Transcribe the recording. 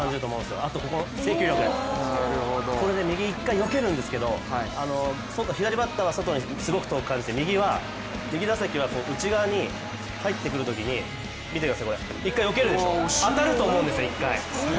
それとあとこの制球力、これね、右、１回よけるんですけど左バッターは遠く感じて右は右打席は内側に入ってくるときに見てください、これ、１回よけるでしょ当たると思うんですね、１回。